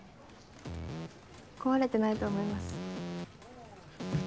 壊れてないと思います。